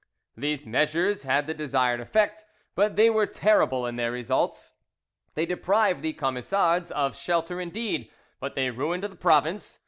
These measures had the desired effect, but they were terrible in their results; they deprived the Camisards of shelter indeed, but they ruined the province.